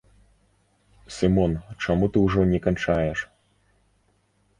Сымон, чаму ты ўжо не канчаеш?